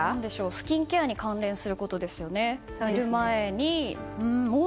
スキンケアに関連することですよね。